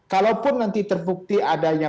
kalaupun nanti terbukti adanya